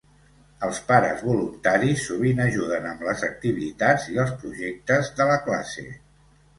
Els pares voluntaris sovint ajuden amb les activitats i els projectes de la classe.